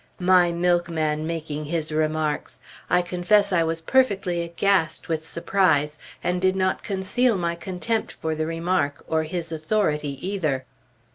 My milkman making his remarks! I confess I was perfectly aghast with surprise, and did not conceal my contempt for the remark, or his authority either.